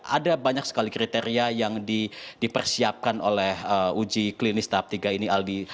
ada banyak sekali kriteria yang dipersiapkan oleh uji klinis tahap tiga ini aldi